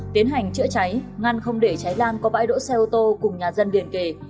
tiến hành chữa cháy ngăn không để cháy lan có bãi đỗ xe ô tô cùng nhà dân liền kề